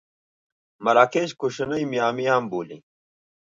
مراکش کوشنۍ میامي هم بولي.